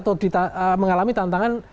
bergeser atau mengalami tantangan